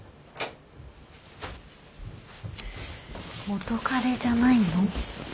元カレじゃないの？